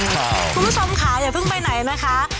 คุณผู้ชมค่ะอย่าเพิ่งไปไหนนะคะ